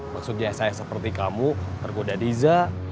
maksudnya saya seperti kamu tergoda diza